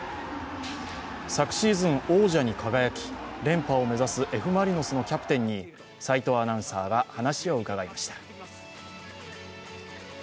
昨シーズン、王者に輝き、連覇を目指すＦ・マリノスのキャンプに齋藤アナウンサーが話を伺いました。